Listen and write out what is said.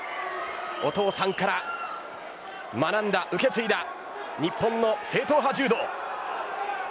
お父さんから学んだ、受け継いだ日本の正統派柔道。